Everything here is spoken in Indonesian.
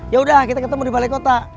yaudah kita ketemu di balai kota